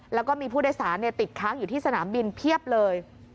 แล้วก็มีผู้โดยสารติดค้างอยู่ที่สนามบินเพียบเลย